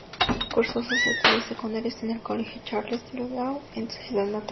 Cursó sus estudios secundarios en el Colegio Charles de Gaulle, en su ciudad natal.